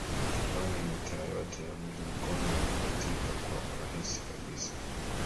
kwani mitaa yote ya Mji Mkongwe inapitika kwa urahisi kabisa